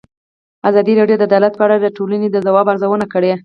ازادي راډیو د عدالت په اړه د ټولنې د ځواب ارزونه کړې.